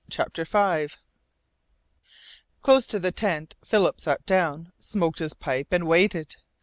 CHAPTER FIVE Close to the tent Philip sat down, smoked his pipe, and waited.